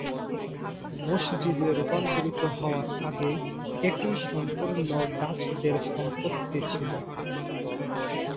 মসজিদে রূপান্তরিত হওয়ার আগে এটি সম্পূর্ণ ডাচদের সম্পত্তি ছিল।